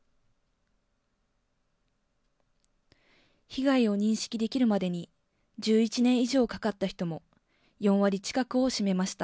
被害を認識できるまでに１１年以上かかった人も４割近くを占めました。